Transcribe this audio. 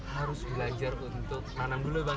harus belajar untuk nanam dulu bang